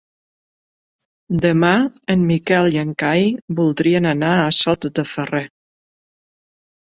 Demà en Miquel i en Cai voldrien anar a Sot de Ferrer.